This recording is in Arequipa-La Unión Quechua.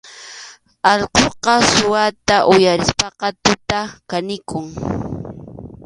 Allquqa suwata uyarispaqa tuta kanikun.